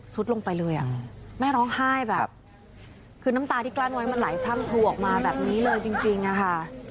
ลงไปเลยอ่ะแม่ร้องไห้แบบคือน้ำตาที่กลั้นไว้มันไหลพรั่งพลูออกมาแบบนี้เลยจริงอะค่ะ